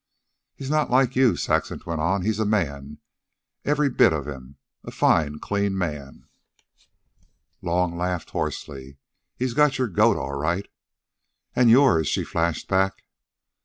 "He's not like you," Saxon went on. "He's a man, every bit of him, a fine, clean man." Long laughed hoarsely. "He's got your goat all right." "And yours," she flashed back.